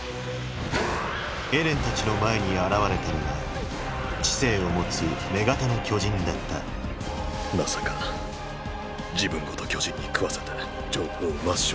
エレンたちの前に現れたのは知性を持つ「女型の巨人」だったまさか自分ごと巨人に食わせて情報を抹消するとは。